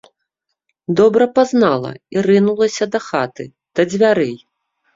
Добра пазнала і рынулася да хаты, да дзвярэй.